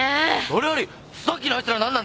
それよりさっきのあいつら何なんだよ？